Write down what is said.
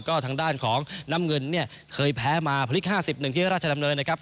ก็ทางด้านของน้ำเงินเนี่ยเคยแพ้มาพลิก๕๑ที่ราชดำเนินนะครับ